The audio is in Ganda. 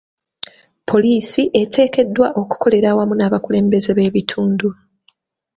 Poliisi eteekeddwa okukolera awamu n'abakulembeze b'ekitundu.